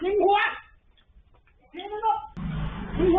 ยิงหัวมันเขตตอนสมิท